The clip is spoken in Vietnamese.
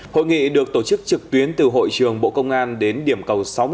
hội nghị được tổ chức trực tuyến từ hội trường bộ công an đến điểm cầu sáu mươi một